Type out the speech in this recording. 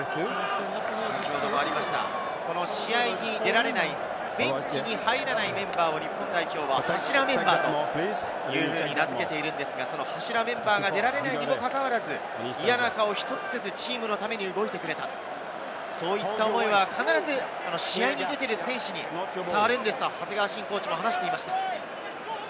先ほどもありましたが、試合に出られないベンチに入らないメンバーを日本代表は柱メンバーというふうに名づけているんですが、その柱メンバーが出られないにもかかわらず、嫌な顔１つせず、チームのために動いてくれた、そういった思いは必ず試合に出ている選手に伝わるんですと長谷川慎コーチも話していました。